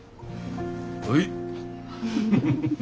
はい。